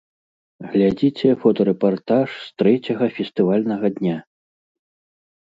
Глядзіце фотарэпартаж з трэцяга фестывальнага дня!